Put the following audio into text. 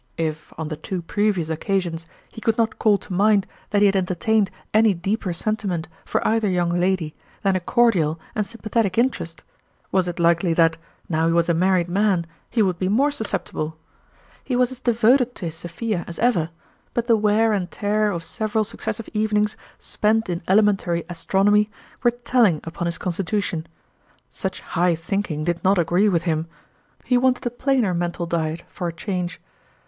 If, on the two previous occasions, he could not call to mind that he had entertained any deeper sentiment for either young lady than a cordial and sympathetic interest, was it likely that, now he was a married man, he would be more suscepti ble ? He was as devoted to his Sophia as ever, but the wear and tear of several successive evenings spent in elementary Astronomy were telling upon his constitution. Such high think ing did not agree with him ; he wanted a plainer mental diet for a change.